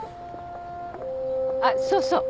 あっそうそう。